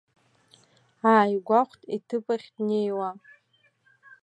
Ааигәахәт иҭыԥ ахь днеиуа.